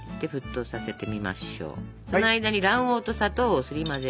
その間に卵黄と砂糖をすり混ぜ。